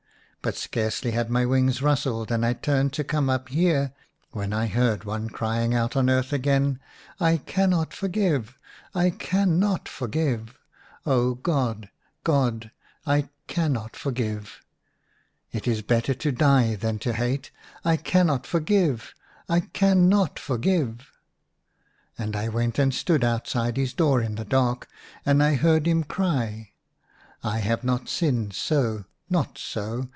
But scarcely had my wings rustled and I turned to come up here, when I heard one crying out on earth again, ' I cannot forgive ! I cannot forgive ! Oh, God, God, I cannot forgive ! It is better to die than to hate ! I can not forgive ! I cannot forgive !' And I went and stood outside his door in the dark, and I heard him cry, * I have not sinned so, not so